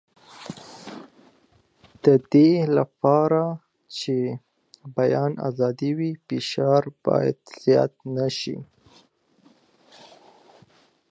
د دې لپاره چې بیان ازاد وي، فشار به زیات نه شي.